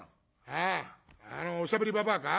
「あああのおしゃべりばばあか。